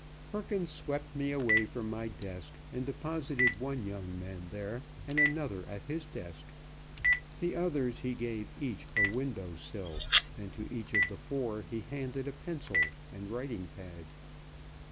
Perkins swept me away from my desk, and deposited one young man there, and another at his desk. The others he gave each a window sill, and to each of the four he handed a pencil and writing pad.